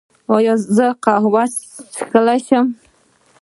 ایا زه قهوه څښلی شم؟